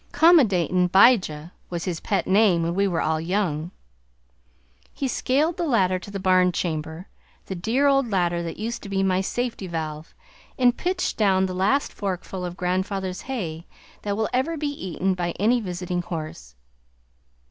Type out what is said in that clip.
("'Commodatin' 'Bijah" was his pet name when we were all young.) He scaled the ladder to the barn chamber the dear old ladder that used to be my safety valve! and pitched down the last forkful of grandfather's hay that will ever be eaten by any visiting horse.